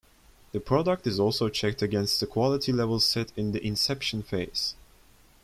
The product is also checked against the quality level set in the Inception phase.